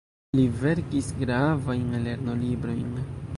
Li verkis gravajn lernolibrojn.